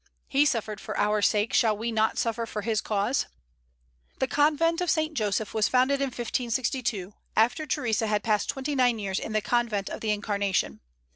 He suffered for our sake, shall we not suffer for his cause?" The Convent of St. Joseph was founded in 1562, after Theresa had passed twenty nine years in the Convent of the Incarnation.